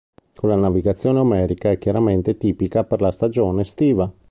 Quella navigazione omerica è chiaramente tipica per la stagione estiva.